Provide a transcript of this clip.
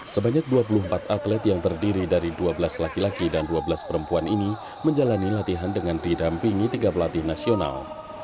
sebanyak dua puluh empat atlet yang terdiri dari dua belas laki laki dan dua belas perempuan ini menjalani latihan dengan didampingi tiga pelatih nasional